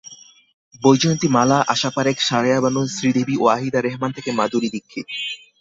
বৈজয়ন্তী মালা, আশা পারেখ, সায়েরা বানু, শ্রীদেবী, ওয়াহিদা রেহমান থেকে মাধুরী দীক্ষিত।